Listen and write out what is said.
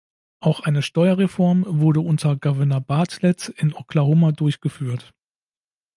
Auch eine Steuerreform wurde unter Gouverneur Bartlett in Oklahoma durchgeführt.